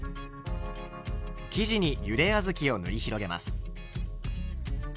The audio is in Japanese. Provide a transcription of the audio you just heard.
生地にゆであずきを塗り広げます。